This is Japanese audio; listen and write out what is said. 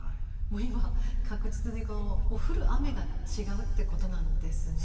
もう今確実にこう降る雨が違うってことなんですね。